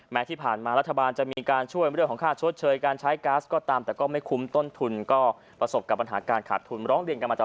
ที่ผ่านมารัฐบาลจะมีการช่วยเรื่องของค่าชดเชยการใช้ก๊าซก็ตามแต่ก็ไม่คุ้มต้นทุนก็ประสบกับปัญหาการขาดทุนร้องเรียนกันมาตลอด